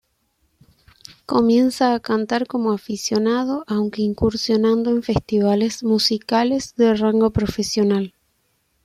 Comienza a cantar como aficionado aunque incursionando en festivales musicales de rango profesional.